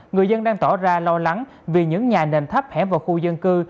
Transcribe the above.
người dân đang tỏ ra lo lắng vì những nhà nền tháp hẻ vào khu dân cư